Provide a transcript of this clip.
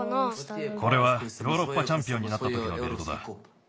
これはヨーロッパチャンピオンになったときのベルトだ。